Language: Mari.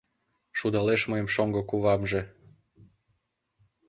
Шудалеш мыйым шоҥго кувамже